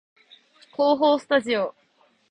構法スタジオ